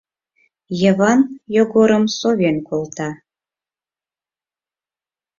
Йыван Йогорым совен колта.